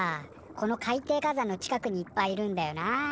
この海底火山の近くにいっぱいいるんだよな。